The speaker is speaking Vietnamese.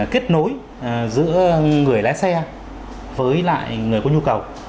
kết nối giữa người lái xe với lại người có nhu cầu